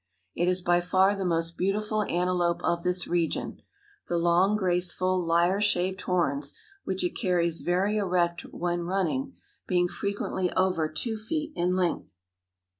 It is by far the most beautiful antelope of this region the long, graceful, lyre shaped horns, which it carries very erect when running, being frequently over two feet in length.